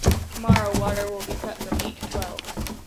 Tomorrow water will be cut from eight to twelve.